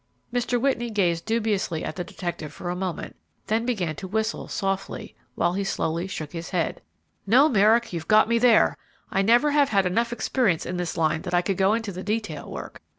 Mr. Whitney gazed dubiously at the detective for a moment, then began to whistle softly, while he slowly shook his head. "No, Merrick; you've got me there! I never have had enough experience in this line that I could go into the detail work.